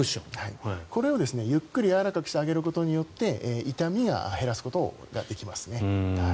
これをゆっくりやわらかくしてあげることによって痛みを減らすことができますね。